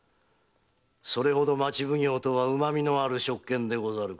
それほど町奉行とはうまみのある職権でござるか？